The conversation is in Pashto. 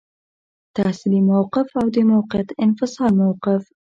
تحصیلي موقف او د موقت انفصال موقف.